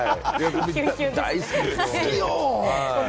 大好きです。